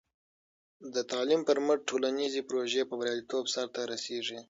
د تعلیم پر مټ، ټولنیزې پروژې په بریالیتوب سرته رسېږي.